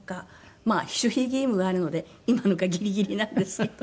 まあ守秘義務があるので今のがギリギリなんですけど。